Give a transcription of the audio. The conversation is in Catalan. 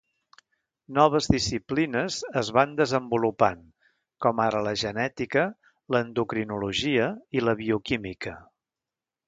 Noves disciplines es van desenvolupant, com ara la genètica, l'endocrinologia i la bioquímica.